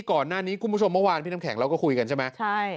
คุณผู้ชมเมื่อวานพี่น้ำแข็งเราก็คุยกันใช่ไหมใช่